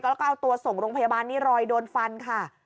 แล้วก็เอาตัวส่งโรงพยาบาลนี่รอยโดนฟันค่ะ